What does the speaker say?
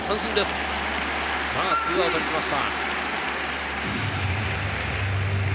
これで２アウトにしました。